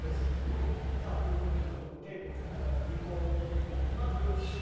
さあということでこのテープを使った技法を見ていきます。